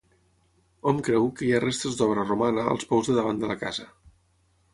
Hom creu que hi ha restes d'obra romana als pous de davant de la casa.